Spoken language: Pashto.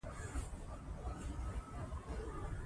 له موږ سره به وي ځکه